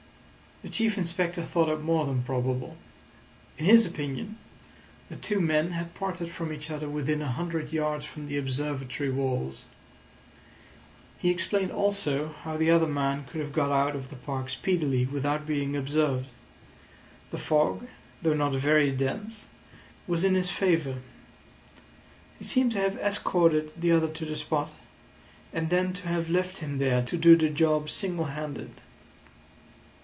The Chief Inspector thought it more than probable. In his opinion, the two men had parted from each other within a hundred yards from the Observatory walls. He explained also how the other man could have got out of the park speedily without being observed. The fog, though not very dense, was in his favour. He seemed to have escorted the other to the spot, and then to have left him there to do the job single handed.